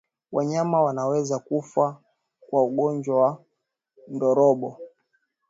Wanyama wanaweza kufa kwa ugonjwa wa ndorobo